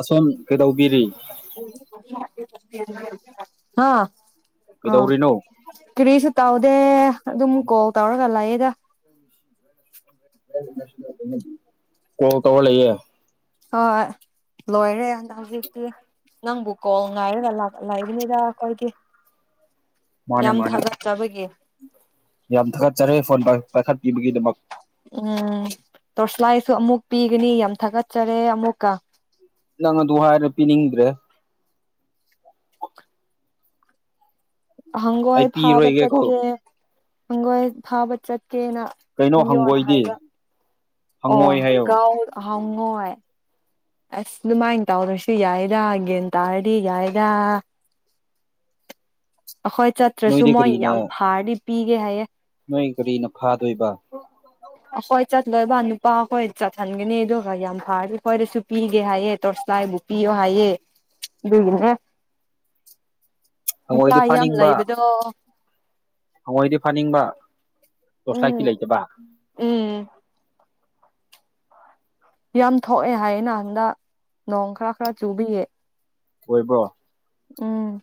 ꯑꯁꯣꯝ ꯀꯩꯗꯧꯕꯤꯔꯤ ꯑꯥ ꯑꯥ ꯀꯩꯗꯧꯔꯤꯅꯣ ꯀꯔꯤꯁꯨ ꯇꯧꯗꯦ ꯑꯗꯨꯝ ꯀꯣꯜ ꯇꯧꯔꯒꯥ ꯂꯩꯌꯦꯗꯥ [inaudible] ꯀꯣꯜ ꯇꯧꯔꯥ ꯂꯩꯌꯦ ꯍꯣꯏ ꯂꯣꯏꯔꯦ ꯍꯧꯖꯤꯛꯇꯤ ꯅꯪꯕꯨ ꯀꯣꯜ ꯉꯥꯏꯔꯒꯥ ꯂꯩꯕꯥꯅꯤꯗꯥ ꯑꯈꯣꯏꯗꯤ ꯃꯥꯅꯦ ꯃꯥꯅꯦ ꯌꯥꯝ ꯊꯥꯒꯠꯆꯔꯦ ꯐꯣꯟ ꯄꯥꯏꯈꯠꯄꯤꯕꯒꯤ ꯗꯥꯃꯛ ꯎꯝ ꯇꯣꯔꯁꯂꯥꯏꯁꯨ ꯑꯃꯨꯛ ꯄꯤꯒꯅꯤ ꯌꯥꯝ ꯊꯥꯒꯠꯆꯔꯦ ꯑꯃꯨꯛꯀꯥ ꯅꯪ ꯑꯗꯨ ꯍꯥꯏꯔꯥ ꯄꯤꯅꯤꯡꯗ꯭ꯔꯦ ꯑꯩ ꯍꯪꯒꯣꯏ ꯐꯥꯕ ꯄꯤꯔꯣꯏꯒꯦꯀꯣ ꯆꯠꯀꯦ ꯍꯪꯒꯣꯏ ꯐꯥꯕ ꯆꯠꯀꯦꯅꯥ ꯀꯩꯅꯣ ꯍꯪꯒꯣꯏꯗꯤ ꯍꯪꯉꯣꯏ ꯑꯣ ꯍꯥꯏꯌꯣ ꯒꯔꯥꯎꯟ ꯍꯪꯉꯣꯏ ꯑꯁ ꯑꯗꯨꯃꯥꯏꯅꯥ ꯇꯧꯗꯔꯥꯁꯨ ꯌꯥꯏꯗꯥ ꯒꯌꯥꯟ ꯇꯥꯔꯗꯤ ꯌꯥꯏꯗꯥ ꯑꯈꯣꯏ ꯆꯠꯇ꯭ꯔꯥꯁꯨ ꯅꯣꯏꯗꯤ ꯃꯣꯏ ꯀꯔꯤꯅ ꯌꯥꯝ ꯐꯥꯔꯗꯤ ꯄꯤꯒꯦ ꯍꯥꯏꯌꯦ ꯅꯣꯏ ꯀꯔꯤꯅ ꯐꯥꯗꯣꯏꯕ? ꯑꯁꯋꯥꯏ ꯆꯤꯠꯂꯥꯒ ꯅꯨꯄꯥ ꯑꯈꯣꯏ ꯆꯠꯍꯟꯒꯅꯤ ꯑꯗꯨꯒ ꯌꯥꯝ ꯐꯥꯔꯥꯗꯤ ꯑꯈꯣꯏꯗꯥꯁꯨ ꯄꯤꯒꯦ ꯍꯥꯏꯌꯦ ꯇꯣꯔꯁ꯭ꯂꯥꯏꯕꯨ ꯄꯤꯌꯣ ꯍꯥꯏꯌꯦ ꯑꯗꯨꯒꯤꯅꯦ ꯅꯨꯄꯥ ꯍꯥꯉꯣꯏꯗꯤ ꯌꯥꯝ ꯐꯥꯅꯤꯡꯕ ꯂꯩꯕꯗꯣ ꯍꯥꯉꯣꯏꯗꯤ ꯐꯥꯅꯤꯡꯕ ꯎꯝ ꯇꯣꯔꯁꯂꯥꯏꯇꯤ ꯂꯩꯇꯥꯕꯥ ꯎꯝ ꯌꯥꯝ ꯊꯣꯛꯑꯦ ꯍꯥꯏꯌꯦꯅꯥ ꯍꯟꯗꯛ ꯅꯣꯡ ꯈꯔꯥ ꯈꯔꯥ ꯆꯨꯕꯥꯒꯤ ꯑꯣꯏꯕ꯭ꯔꯣ ꯎꯝ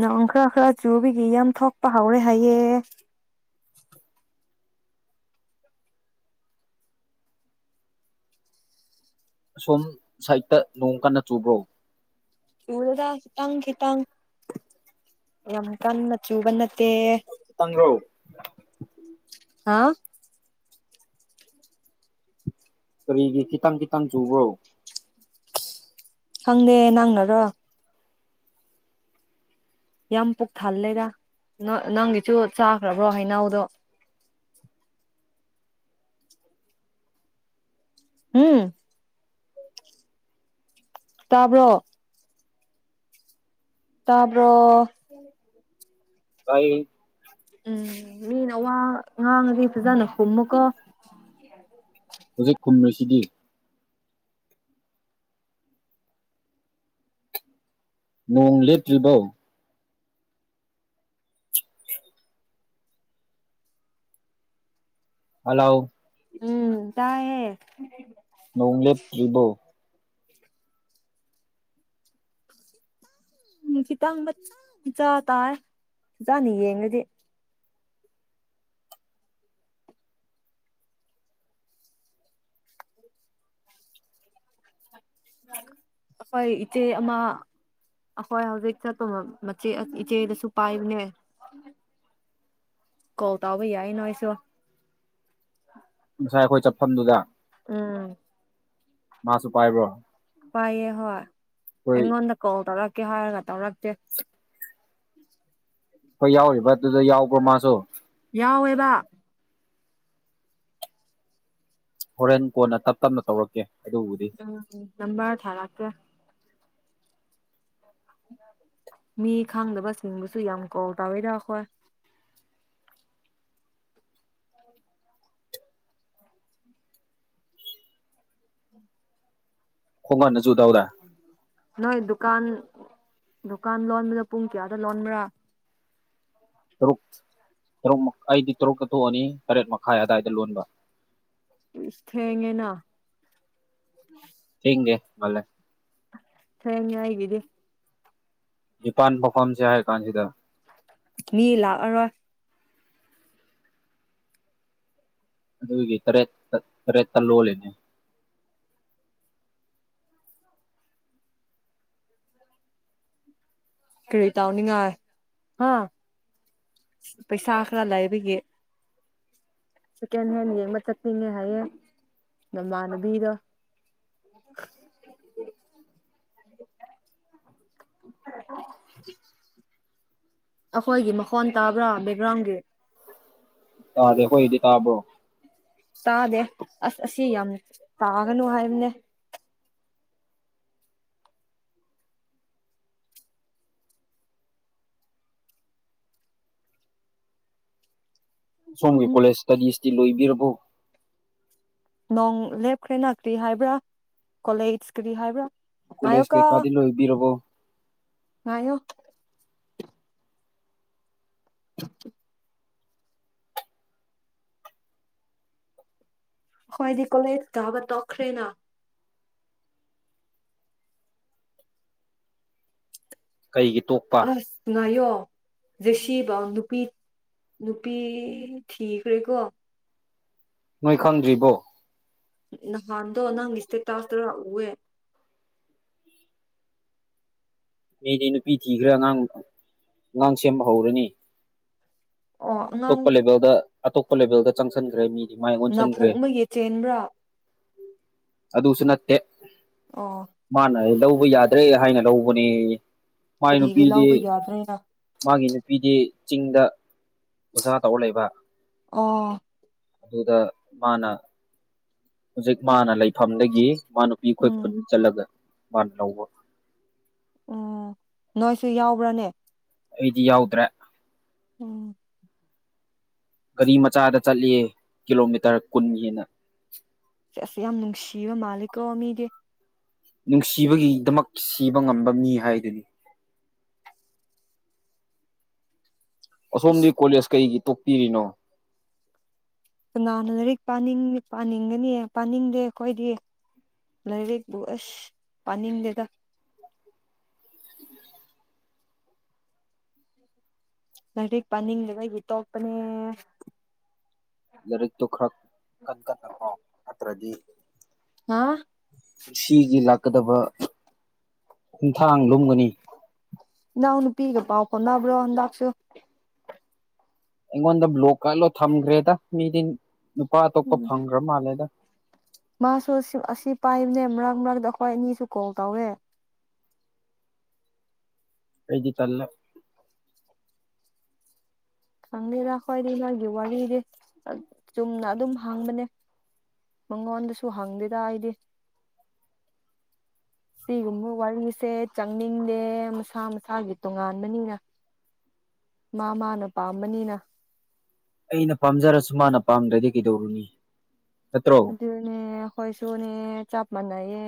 ꯅꯣꯡ ꯈꯔꯥ ꯈꯔꯥ ꯆꯨꯕꯥꯒꯤ ꯌꯥꯝ ꯊꯣꯛꯄꯥ ꯍꯥꯎꯔꯦ ꯍꯥꯏꯌꯦ ꯁꯣꯝ ꯁꯥꯏꯠꯇ ꯅꯣꯡ ꯀꯥꯟꯅ ꯆꯨꯕ꯭ꯔꯣ ꯆꯨꯗꯦꯗꯥ ꯈꯤꯇꯪ ꯈꯤꯇꯪ ꯌꯥꯝ ꯀꯟꯅꯥ ꯆꯨꯕ ꯅꯠꯇꯦ ꯈꯤꯇꯪꯔꯣ ꯍꯥ ꯀꯔꯤꯒꯤ ꯈꯤꯇꯪ ꯈꯤꯇꯪ ꯆꯨꯕ꯭ꯔꯣ ꯈꯪꯗꯦ ꯅꯪꯅꯥꯔꯣ ꯌꯥꯝ ꯄꯨꯛ ꯊꯥꯜꯂꯦꯗꯥ ꯅꯪꯒꯤꯁꯨ ꯆꯥꯈ꯭ꯔꯕ꯭ꯔꯣ ꯍꯩꯩꯅꯥꯎꯗꯣ ꯍꯨꯝ ꯇꯥꯕ꯭ꯔꯣ ꯇꯥꯕꯔꯣ ꯇꯥꯏꯌꯦ ꯎꯝ ꯃꯤꯅ ꯋꯥ ꯉꯥꯡꯉꯥꯗꯤ ꯐꯖꯥꯅ ꯈꯨꯝꯃꯨꯀꯣ ꯍꯨꯖꯤꯛ ꯈꯨꯝꯃꯤꯁꯤꯗꯤ ꯅꯣꯡ ꯂꯦꯞꯇ꯭ꯔꯤꯕꯣ ꯍꯥꯜꯂꯣ ꯎꯝ ꯇꯥꯏꯌꯦ ꯅꯣꯡ ꯂꯦꯞꯇ꯭ꯔꯤꯕꯣ ꯎꯝ ꯈꯤꯇꯪ ꯃꯆꯥ ꯃꯆꯥ ꯇꯥꯏ ꯐꯖꯥꯅ ꯌꯦꯡꯔꯥꯗꯤ ꯑꯈꯣꯏ ꯏꯆꯦ ꯑꯃꯥ ꯑꯈꯣꯏ ꯍꯧꯖꯤꯛ ꯆꯠꯇꯣꯔꯝ ꯃꯆꯦ ꯏꯆꯦꯗꯥꯁꯨ ꯄꯥꯏꯕꯅꯦ ꯀꯣꯜ ꯇꯥꯎꯕ ꯌꯥꯏ ꯅꯣꯏꯁꯨ ꯉꯁꯥꯏ ꯑꯈꯣꯏ ꯆꯠꯐꯝꯗꯨꯗ ꯎꯝ ꯃꯥꯁꯨ ꯄꯥꯏꯕ꯭ꯔꯣ ꯄꯥꯏꯌꯦ ꯍꯣꯏ ꯑꯩꯈꯣꯏ ꯑꯩꯉꯣꯟꯗꯥ ꯀꯣꯜ ꯇꯧꯔꯛꯀꯦ ꯍꯥꯏꯔꯒꯥ ꯇꯧꯔꯛꯇꯦ ꯈꯣꯏ ꯌꯥꯎꯔꯤꯕꯗꯨꯗ ꯌꯥꯎꯕ꯭ꯔꯣ ꯃꯥꯁꯨ ꯌꯥꯎꯋꯦꯕꯥ ꯍꯣꯔꯦꯟ ꯀꯣꯟꯅꯥ ꯇꯞ ꯇꯞꯅꯥ ꯇꯧꯔꯛꯀꯦ ꯑꯗꯨꯕꯨꯗꯤ ꯎꯝ ꯅꯝꯕ꯭ꯔ ꯊꯔꯇꯦ ꯃꯤ ꯈꯪꯗꯕꯁꯤꯡꯕꯨꯁꯨ ꯌꯥꯝ ꯀꯣꯟ ꯇꯥꯎꯋꯤꯗ ꯑꯈꯣꯏ ꯈꯣꯡꯒꯅꯖꯨ ꯗꯧꯗ ꯅꯣꯏ ꯗꯨꯀꯥꯟ ꯗꯨꯀꯥꯟ ꯂꯣꯟꯕꯗ ꯄꯨꯡ ꯀꯌꯥꯗ ꯂꯣꯟꯕ꯭ꯔꯥ ꯇꯔꯨꯛ ꯇꯔꯨꯛꯃꯈꯥꯏꯗꯤ ꯇꯔꯨꯛꯇ ꯇꯣꯛꯑꯅꯤ ꯇꯔꯦꯠ ꯃꯈꯥꯏ ꯑꯋꯥꯏꯗ ꯂꯣꯟꯕ ꯏꯁ ꯊꯦꯡꯉꯦꯅ [inaudible] ꯊꯦꯡꯗꯦ ꯉꯟꯂꯦ ꯊꯦꯡꯉꯦ ꯑꯩꯒꯤꯗꯤ ꯅꯤꯄꯥꯟꯐꯥꯎ ꯐꯝꯁꯦ ꯍꯥꯏꯔꯀꯥꯟꯁꯤꯗ ꯃꯤ ꯂꯥꯛꯑꯔꯣꯏ ꯑꯗꯨꯒꯤ ꯇꯔꯦꯠꯇ ꯇꯔꯦꯠꯇ ꯂꯣꯜꯂꯤꯅꯤ ꯀꯔꯤ ꯇꯧꯅꯤꯡꯉꯥꯏ ꯍꯥ ꯄꯩꯁꯥ ꯈꯔ ꯂꯩꯕꯒꯤ ꯁꯦꯀꯦꯟ ꯍꯦꯟ ꯌꯦꯡꯕ ꯆꯠꯅꯤꯡꯉꯦ ꯍꯥꯏꯌꯦ ꯅꯃꯥꯟꯅꯕꯤꯗꯣ [unintelligible] [inaudible] [inaudible] ꯑꯈꯣꯏꯒꯤ ꯃꯈꯣꯟ ꯇꯥꯕ꯭ꯔꯥ ꯕꯦꯛꯒ꯭ꯔꯥꯎꯟꯒꯤ ꯇꯥꯗꯦ ꯑꯩꯈꯣꯏꯒꯤꯗꯤ ꯇꯥꯕ꯭ꯔꯣ ꯇꯥꯗꯦ ꯑꯁ ꯑꯁꯤ ꯌꯥꯝ ꯇꯥꯒꯅꯨ ꯍꯥꯏꯕꯅꯦ ꯁꯣꯝꯒꯤ ꯀꯣꯂꯦꯖ ꯏꯁꯇꯗꯤꯁꯇꯤ ꯂꯣꯏꯕꯤꯔꯕꯣ ꯅꯣꯡ ꯂꯦꯞꯈ꯭ꯔꯦꯅ ꯀꯔꯤ ꯍꯥꯏꯕ꯭ꯔꯥ ꯀꯣꯂꯦꯖ ꯀꯔꯤ ꯍꯥꯏꯕ꯭ꯔꯥ ꯀꯣꯂꯦꯖ ꯉꯥꯏꯌꯣꯀꯣ ꯀꯩꯀꯥꯗꯤ ꯂꯣꯏꯕꯤꯔꯕꯣ ꯉꯥꯏꯌꯣ [inaudible] ꯈꯣꯏꯗꯤ ꯀꯣꯂꯦꯖ ꯀꯕ ꯇꯣꯛꯈ꯭ꯔꯦꯅ ꯀꯔꯤꯒꯤ ꯇꯣꯛ ꯑꯁ ꯉꯥꯏꯌꯣ ꯖꯦꯁꯤꯕꯥꯑꯣ ꯅꯨꯄꯤ ꯅꯨꯄꯤ ꯊꯤꯈ꯭ꯔꯦꯀꯣ ꯅꯣꯏ ꯈꯪꯗ꯭ꯔꯤꯕꯣ ꯅꯍꯥꯟꯗꯣ ꯅꯪꯒꯤ ꯏꯁꯇꯦ ꯇꯥꯁꯇꯔꯥ ꯎꯋꯦ ꯑꯩꯗꯤ ꯅꯨꯄꯤ ꯊꯤꯈ꯭ꯔ ꯑꯉꯥꯡ ꯑꯉꯥꯡ ꯁꯦꯝꯕ ꯍꯧꯔꯅꯤ ꯑꯣ ꯑꯉꯥꯡ ꯑꯇꯣꯞꯄ ꯂꯦꯚꯦꯜꯗ ꯑꯇꯣꯞꯄ ꯂꯦꯚꯦꯜꯗ ꯆꯪꯁꯤꯟꯈ꯭ꯔꯦ ꯃꯤꯗꯤ ꯃꯥꯏ ꯑꯣꯟꯁꯤꯟꯈ꯭ꯔꯦ ꯅꯥꯐꯣꯛꯃꯒꯤ ꯆꯦꯟꯕ꯭ꯔꯥ ꯑꯗꯨꯁꯨ ꯅꯠꯇꯦ ꯑꯣ ꯃꯥꯅ ꯂꯧꯕ ꯌꯥꯗ꯭ꯔꯦ ꯍꯥꯏꯅ ꯂꯧꯕꯅꯦꯌꯦ ꯃꯥꯏ ꯀꯔꯤꯒꯤ ꯅꯨꯄꯤꯗꯤ ꯂꯧꯕ ꯌꯥꯗ꯭ꯔꯦꯅ ꯃꯥꯒꯤ ꯅꯨꯄꯤꯗꯤ ꯆꯤꯡꯗ ꯑꯣꯖꯥ ꯇꯧꯔ ꯂꯩꯕ ꯑꯣ ꯑꯗꯨꯗ ꯃꯥꯅ ꯍꯧꯖꯤꯛ ꯃꯥꯅ ꯂꯩ ꯐꯝꯗꯒꯤ ꯃꯥ ꯅꯨꯄꯤ ꯑꯩꯈꯣꯏ ꯈꯨꯟ ꯎꯝ ꯆꯠꯂꯒ ꯃꯥꯅ ꯂꯧꯕ ꯑꯣ ꯅꯣꯏꯁꯨ ꯌꯥꯎꯕ꯭ꯔꯅꯦ ꯑꯩꯗꯤ ꯌꯥꯎꯗ꯭ꯔꯦ ꯑꯣ ꯒꯥꯔꯤ ꯃꯆꯥꯗ ꯆꯠꯂꯤꯌꯦ ꯀꯤꯂꯣꯃꯤꯇꯔ ꯀꯨꯟ ꯍꯦꯟꯅꯥ ꯆꯦꯁ ꯌꯥꯝ ꯅꯨꯡꯁꯤꯕ ꯃꯥꯜꯂꯤꯀꯣ ꯃꯤꯗꯤ ꯅꯨꯡꯁꯤꯕꯒꯤꯗꯃꯛ ꯁꯤꯕ ꯉꯝꯕ ꯃꯤ ꯍꯥꯏꯗꯨꯅꯤ ꯑꯁꯣꯝꯗꯤ ꯑꯁ ꯀꯣꯂꯦꯖ ꯀꯩꯒꯤ ꯇꯣꯛꯄꯤꯔꯤꯅꯣ ꯀꯅꯥꯅ ꯂꯥꯏꯔꯤꯛ ꯄꯥꯅꯤꯡ ꯄꯥꯅꯤꯡꯒꯅꯤ ꯄꯥꯅꯤꯡꯗꯦ ꯑꯩꯈꯣꯏꯗꯤ ꯂꯥꯏꯔꯤꯛꯄꯨ ꯑꯁ ꯄꯥꯅꯤꯡꯗꯦꯗ [inaudible] ꯂꯥꯏꯔꯤꯛ ꯄꯥꯅꯤꯡꯗꯕꯒꯤ ꯇꯣꯛꯄꯅꯦ ꯂꯥꯏꯔꯤꯛꯇꯣ ꯈꯔ ꯀꯟ ꯀꯟꯅ ꯄꯥꯎ ꯅꯠꯇ꯭ꯔꯗꯤ ꯅꯥ ꯄꯨꯟꯁꯤꯒꯤ ꯂꯥꯛꯀꯗꯕ ꯈꯣꯡꯊꯥꯡ ꯂꯨꯝꯒꯅꯤ ꯏꯅꯥꯎ ꯅꯨꯄꯤꯒ ꯄꯥꯎ ꯐꯥꯎꯅꯕ꯭ꯔꯣ ꯍꯟꯗꯛꯁꯨ ꯑꯩꯉꯣꯟꯗ ꯕ꯭ꯂꯣꯛꯀ ꯂꯣꯏ ꯊꯝꯈ꯭ꯔꯦꯗ ꯃꯤꯗꯤ ꯅꯨꯄꯥ ꯑꯇꯣꯞꯄ ꯎꯝ ꯐꯪꯒ꯭ꯔ ꯃꯥꯜꯂꯦꯗ ꯃꯥꯁꯨ ꯑꯁꯤ ꯑꯁꯤ ꯄꯥꯏꯕꯅꯦ ꯃꯔꯛ ꯃꯔꯛꯇ ꯑꯩꯈꯣꯏ ꯑꯅꯤꯁꯨ ꯀꯣꯜ ꯇꯧꯋꯦ ꯑꯩꯗꯤ ꯇꯜꯂ‌ꯦ ꯈꯪꯗ‌ꯦꯗ ꯑꯩꯈꯣꯏꯗꯤ ꯅꫭꯏꯒꯤ ꯋꯥꯔꯤꯗꯤ ꯑ ꯆꯨꯝꯅ ꯑꯗꯨꯝ ꯍꯥꯡꯕꯅꯦ ꯃꯉꯣꯟꯗꯁꯨ ꯍꯪꯗꯦꯗ ꯑꯩꯗꯤ [inaudible] ꯁꯤꯒꯨꯝꯕ ꯋꯥꯔꯤꯁꯦ ꯆꯪꯅꯤꯡꯗꯦ ꯃꯁꯥ ꯃꯁꯥꯒꯤ ꯇꯣꯉꯥꯟꯕꯅꯤꯅ ꯃꯥ ꯃꯥꯅ ꯄꯥꯝꯕꯅꯤꯅ ꯑꯩꯅ ꯄꯥꯝꯖꯔꯁꯨ ꯃꯥꯅ ꯄꯥꯝꯗ꯭ꯔꯗꯤ ꯀꯩꯗꯧꯔꯨꯅꯤ ꯅꯠꯇ꯭ꯔꯣ ꯑꯗꯨꯅꯦ ꯑꯩꯈꫭꯏꯁꯨꯅꯦ ꯆꯞ ꯃꯥꯟꯅꯩꯌꯦ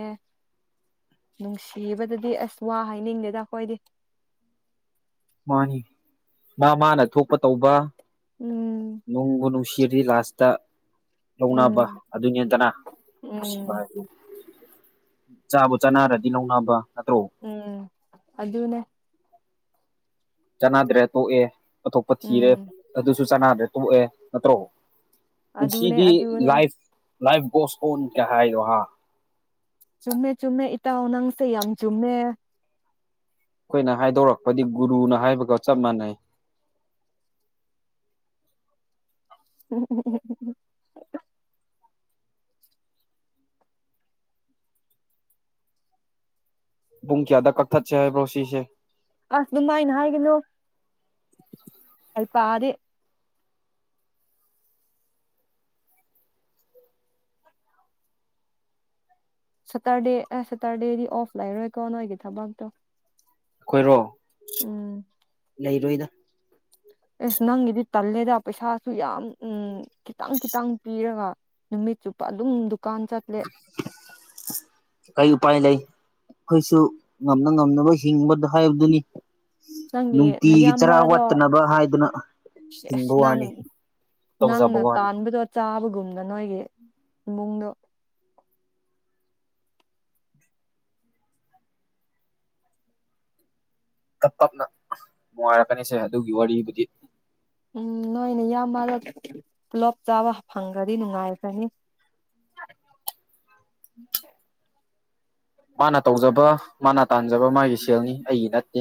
ꯅꯨꯡꯁꯤꯕꯗꯗꯤ ꯑꯁ ꯋꯥ ꯍꯥꯏꯅꯤꯡꯗꯦꯗ ꯑꯩꯈꯣꯏꯗꯤ ꯃꯥꯅꯤ ꯃꯥ ꯃꯥꯅ ꯊꯣꯛꯄ ꯇꯧꯕ ꯎꯝ ꯅꯨꯡꯕꯨ ꯅꯨꯡꯁꯤꯗꯤ ꯂꯥꯁꯇꯥ ꯂꯧꯅꯕ ꯎꯝ ꯑꯗꯨꯅꯤꯗꯅ ꯅꯨꯡꯁꯤꯕꯥ ꯎꯝ ꯍꯥꯏꯕꯗꯤ ꯆꯥꯕꯨ ꯆꯥꯅꯔꯗꯤ ꯂꯧꯅꯕ ꯅꯠꯇ꯭ꯔꯣ ꯎꯝ ꯑꯗꯨꯅꯦ ꯆꯅꯗ꯭ꯔꯦ ꯇꯣꯛꯑꯦ ꯑꯊꯣꯛꯄ ꯊꯤꯔꯦ ꯎꯝ ꯑꯗꯨꯁꯨ ꯆꯥꯅꯗ꯭ꯔꯦ ꯇꯣꯛꯑꯦ ꯅꯠꯇ꯭ꯔꯣ ꯑꯗꯨꯅꯦ ꯄꯨꯟꯁꯤꯗꯤ ꯑꯗꯨꯅꯦ ꯂꯥꯏꯐ ꯂꯥꯏꯐ ꯒꯣꯁ ꯀꫭꯟ ꯍꯥꯏꯌꫭ ꯍꯥ ꯆꯨꯝꯃꯦ ꯆꯨꯝꯃꯦ ꯏꯇꯥꯥꯎ ꯅꯪꯁ‌ꯦ ꯌꯥꯝ ꯆꯨꯝꯃꯦ ꯑꯩꯈꯣꯏꯅ ꯍꯥꯏꯗꯣꯔꯛꯄꯗꯤ ꯒꯨꯔꯨꯅ ꯍꯥꯏꯕꯒ ꯆꯞ ꯃꯥꯟꯅꯩ ꯎꯝ ꯎꯝ ꯎꯝ ꯄꯨꯡ ꯀꯌꯥꯗ ꯀꯛꯊꯠꯁꯦ ꯍꯥꯏꯕ꯭ꯔꯣ ꯁꯤꯁꯦ ꯑꯁ ꯑꯗꯨꯃꯥꯏꯅ ꯍꯥꯏꯒꯅꯨ ꯍꯩ ꯄꯗꯤ ꯁꯇꯔꯗꯦ ꯑꯦ ꯁꯦꯇꯔꯗꯦꯗꯤ ꯑꯣꯐ ꯂꯩꯔꯣꯏꯀꯣ ꯅꯣꯏꯒꯤ ꯊꯕꯛꯇꯣ ꯑꯩꯈꯣꯏꯔꯣ ꯎꯝ ꯂꯩꯔꯣꯏꯗ ꯑꯦꯁ ꯅꯪꯒꯤꯗꯤ ꯇꯜꯂꯦꯗ ꯄꯩꯁꯥꯁꯨ ꯌꯥꯝ ꯎꯝ ꯈꯤꯇꯪ ꯈꯤꯇꯪ ꯄꯤꯔꯒ ꯅꯨꯃꯤꯠ ꯆꯨꯞꯄ ꯑꯗꯨꯝ ꯗꯨꯀꯥꯟ ꯆꯠ [inaudible] ꯀꯩ ꯎꯄꯥꯏ ꯂꯩ ꯑꯩꯁꯨ ꯉꯝꯅ ꯉꯝꯅꯕ ꯍꯤꯡꯕ ꯍꯥꯏꯕꯗꯨꯅꯤ ꯅꯪꯒꯤ ꯅꯨꯡꯇꯤꯒꯤ ꯆꯔꯥ ꯅꯌꯥꯝꯕꯗꯣ ꯋꯥꯠꯇꯅꯕ ꯍꯥꯏꯗꯨꯅ ꯍꯤꯡꯕ ꯑꯁ ꯅꯪ ꯋꯥꯅꯤ ꯇꯧꯖꯕ ꯅꯪꯅ ꯋꯥꯅꯤ ꯇꯥꯟꯕꯗꯣ ꯆꯥꯕꯒꯨꯝꯅ ꯅꯣꯏꯒꯤ ꯏꯃꯨꯡꯗꯣ ꯇꯞ ꯇꯞꯅ ꯅꯨꯡꯉꯥꯏꯔꯛꯀꯅꯤꯁꯦ ꯑꯗꯨꯒꯤ ꯋꯥꯔꯤꯕꯨꯗꯤ ꯎꯝ ꯅꯣꯏ ꯅꯌꯥꯝꯕꯗꯣ ꯄꯨꯂꯣꯞ ꯆꯥꯕ ꯐꯪꯉꯗꯤ ꯅꯨꯡꯉꯥꯏꯈ꯭ꯔꯅꯤ [inaudible] ꯃꯥꯅ ꯇꯧꯖꯕ ꯃꯥꯅ ꯇꯥꯟꯖꯕ ꯃꯥꯒꯤ ꯁꯦꯜꯅꯤ ꯑꯩꯒꯤ ꯅꯠꯇꯦ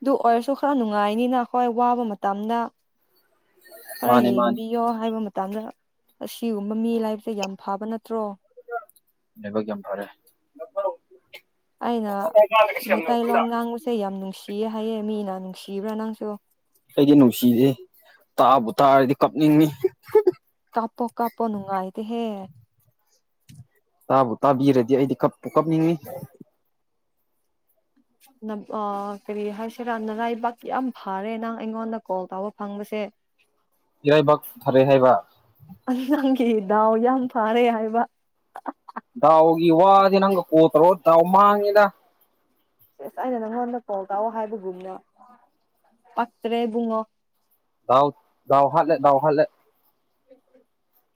ꯑꯗꯨ ꯑꯣꯏꯔꯁꯨ ꯈꯔ ꯅꯨꯡꯉꯥꯏꯅꯤꯅ ꯑꯩꯈꯣꯏ ꯋꯥꯕ ꯃꯇꯝꯗ ꯈꯔ ꯃꯥꯅꯦ ꯃꯥꯅꯦ ꯌꯦꯡꯕꯤ ꯌꫭ ꯍꯥꯏꯕ ꯃꯇꯝꯗ ꯑꯁꯤꯒꯨꯝꯕ ꯃꯤ ꯂꯥꯏꯕꯁꯦ ꯌꯥꯝ ꯐꯥꯕ ꯅꯠꯇ꯭ꯔꯣ ꯂꯥꯏꯕꯛ ꯌꯥꯝ ꯐꯔꯦ ꯑꯩꯅ ꯃꯩꯇꯩꯂꯣꯟ ꯉꯥꯡꯕꯁꯦ ꯌꯥꯝ ꯅꯨꯡꯁꯤꯌꯦ ꯍꯥꯏꯌꯦ ꯃꯤꯅ ꯅꯨꯡꯁꯤꯕ꯭ꯔꯥ ꯅꯪꯁꯨ ꯑꯩꯗꯤ ꯅꯨꯡꯁꯤꯗ‌ꯦ ꯇꯥꯕꯨ ꯇꯥꯔꯗꯤ ꯀꯞꯅꯤꯡꯉꯤ ꯀꯥꯄꯣ ꯀꯥꯄꫭ ꯅꯨꯡꯉꯥꯏ ꯇ‌ꯦꯍ‌ꯦ ꯇꯥꯕꯨ ꯇꯥꯕꯤꯔꯗꯤ ꯑꯩꯗꯤ ꯀꯞꯄꯨ ꯀꯞꯅꯤꯡꯉꯤ ꯑ ꯀꯔꯤ ꯍꯥꯏꯁꯤꯔꯥꯅ ꯅꯔꯥꯏꯕꯥꯛ ꯌꯥꯝ ꯐꯔꯦ ꯅꯪ ꯑꯩꯉꯣꯟꯗ ꯀꯣꯜ ꯇꯧꯕ ꯐꯪꯕꯁꯦ ꯏꯔꯥꯏꯕꯥꯛ ꯐꯥꯔꯦ ꯍꯥꯏꯕ ꯑꯉꯥꯡꯒꯤ ꯗꯥꯎ ꯌꯥꯝ ꯐꯥꯔꯦ ꯍꯥꯏꯕ ꯗꯥꯎꯒꯤ ꯋꯥꯗꯤ ꯅꯪ ꯀꯣꯜ ꯇꯧꯔꯒ ꯗꯥꯎ ꯃꯥꯥꯡꯉꯤꯗ ꯑꯁ ꯑꯩꯅ ꯅꯪꯉꯣꯟꯗ ꯊꯣꯜ ꯇꯥꯎꯑꯣ ꯍꯥꯏꯕꯒꯨꯝꯅ ꯄꯛꯇ꯭ꯔꯦ ꯏꯕꯨꯡꯉꯣ ꯗꯥꯎ ꯗꯥꯎ ꯍꯥꯠꯂꯦ ꯗꯥꯎ ꯍꯥꯠꯂꯦ [inaudible]